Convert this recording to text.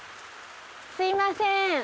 すみません。